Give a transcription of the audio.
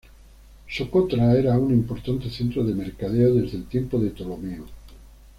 Socotra era un importante centro de mercadeo desde el tiempo de Ptolomeo.